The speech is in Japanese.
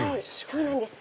そうなんです。